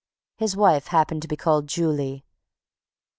His wife happened to be called Julie.